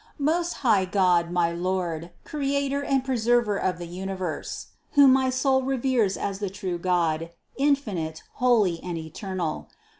"Most high God, my Lord, Creator and Preserver of the universe, whom my soul reveres as the true God, infinite, holy and eternal